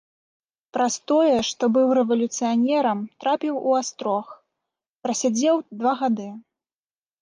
Праз тое, што быў рэвалюцыянерам, трапіў у астрог, прасядзеў два гады.